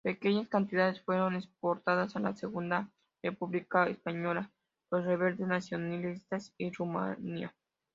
Pequeñas cantidades fueron exportadas a la Segunda República Española, los Rebeldes Nacionalistas y Rumania.